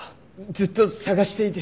ずっと捜していて。